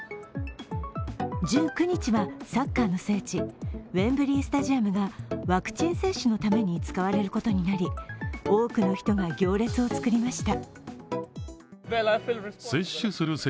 １９日は、サッカーの聖地、ウェンブリースタジアムがワクチン接種のために使われることになり多くの人が行列を作りました。